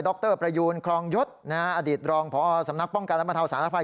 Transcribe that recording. รประยูนคลองยศอดีตรองพอสำนักป้องกันและบรรเทาสารภัย